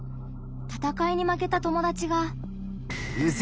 たたかいに負けた友達が。